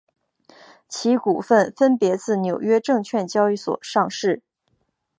其股份分别自纽约证券交易所上市。